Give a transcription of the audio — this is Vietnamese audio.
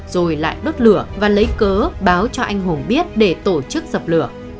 rồi lại đốt lửa và lấy cớ báo cho anh hùng biết để tổ chức dập lửa